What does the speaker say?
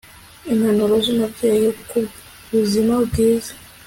impanuro z'umubyeyi kubuzima bwiza